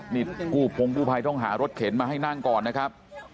นี่กู้พงกู้ภัยต้องหารถเข็นมาให้นั่งก่อนนะครับ